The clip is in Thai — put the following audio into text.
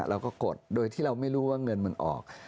กดโดยที่เราไม่รู้ว่าเงินมันออก